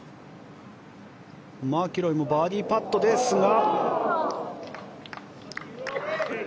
マキロイバーディーパットでしたが。